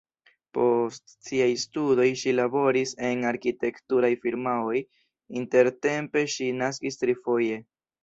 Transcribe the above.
Post siaj studoj ŝi laboris en arkitekturaj firmaoj, intertempe ŝi naskis trifoje.